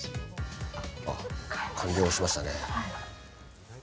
完了しましたね。